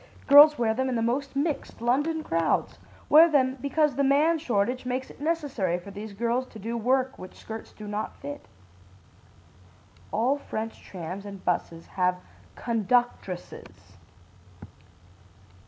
Girls wear them in the most mixed London crowds wear them because the man shortage makes it necessary for these girls to do work which skirts do not fit. All French trams and buses have 'conductresses.'